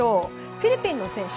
フィリピンの選手。